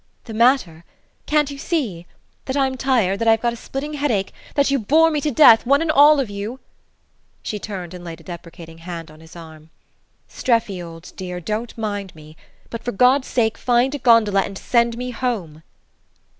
"The matter? Can't you see? That I'm tired, that I've got a splitting headache that you bore me to death, one and all of you!" She turned and laid a deprecating hand on his arm. "Streffy, old dear, don't mind me: but for God's sake find a gondola and send me home."